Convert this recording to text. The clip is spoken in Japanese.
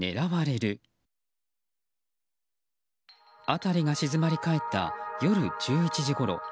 辺りが静まり返った夜１１時ごろ。